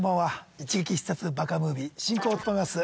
『一撃必撮ＢＡＫＡムービー』進行を務めます